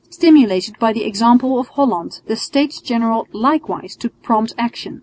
Stimulated by the example of Holland, the States General likewise took prompt action.